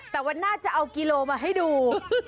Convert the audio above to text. แต่วันหน้าจะเอากิโลมาให้ดู